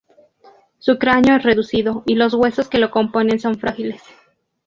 Su cráneo es reducido, y los huesos que lo componen son frágiles.